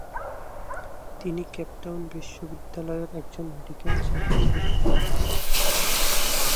তিনি Cape Town বিশ্ববিদ্যালয়ের একজন মেডিকেল ছাত্রী।